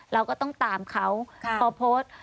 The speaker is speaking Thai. เราก็ต้องตามเขาพอโพสต์